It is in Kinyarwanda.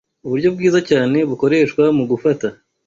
Uburyo bwiza cyane bukoreshwa mu gufata